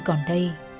chỉ còn đây